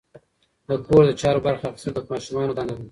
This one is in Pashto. د کور د چارو برخه اخیستل د ماشومانو دنده ده.